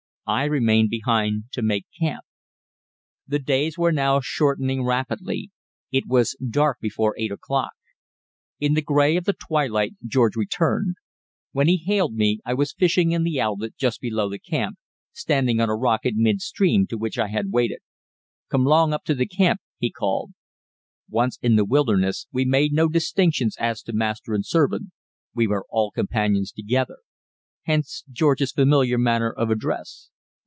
I remained behind to make camp. The days were now shortening rapidly; it was dark before eight o'clock. In the grey of the twilight George returned. When he hailed me, I was fishing in the outlet just below the camp, standing on a rock in midstream to which I had waded. "Come 'long up to camp," he called. Once in the wilderness, we made no distinctions as to master and servant; we were all companions together. Hence George's familiar manner of address.